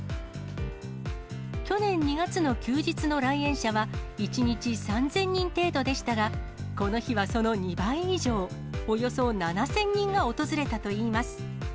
去年２月の休日の来園者は１日３０００人程度でしたが、この日はその２倍以上、およそ７０００人が訪れたといいます。